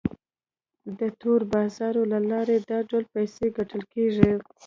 د تور بازارۍ له لارې دا ډول پیسې ګټل کیږي.